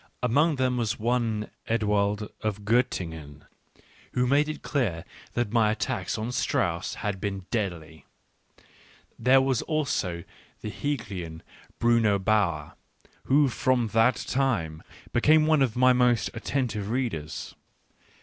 Among them was one, Ewald of Gottingen, who made it clear that my attack on Strauss had been deadly. There was also the Hegelian, Bruno Bauer, who from that time became one of my most atten tive readers.